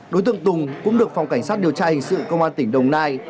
đối tượng tùng cũng được phòng cảnh sát điều tra hình sự công an tỉnh đồng nai